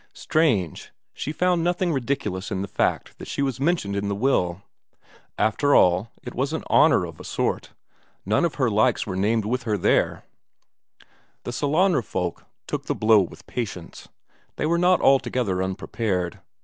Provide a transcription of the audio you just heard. Strange, she found nothing ridiculous in the fact that she was mentioned in the will; after all, it was an honour of a sort; none of her likes were named there with her! The Sellanraa folk took the blow with patience; they were not altogether unprepared.